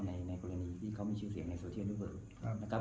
ในกรณีที่เขามีชิ้นเสียงในโซเทียนด้วยเบอร์นะครับ